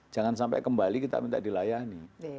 jangan sampai kembali kita minta dilayani